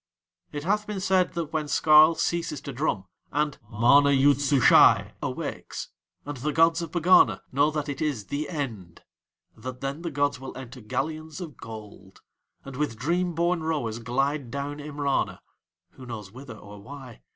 It hath been said that when Skarl ceases to drum, and MANA YOOD SUSHAI awakes, and the gods of Pegana know that it is THE END, that then the gods will enter galleons of gold, and with dream born rowers glide down Imrana (who knows whither or why?)